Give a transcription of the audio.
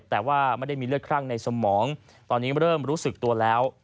แต่ว่าไม่ได้มีเลือดคลั่งในสมองตอนนี้เริ่มรู้สึกตัวแล้ว